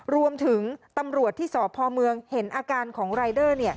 รวมถึงตำรวจที่สพเมืองเห็นอาการของรายเดอร์